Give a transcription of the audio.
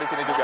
di sini juga